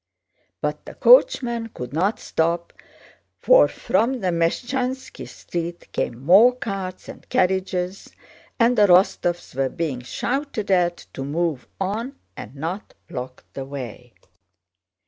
But the coachman could not stop, for from the Meshchánski Street came more carts and carriages, and the Rostóvs were being shouted at to move on and not block the way.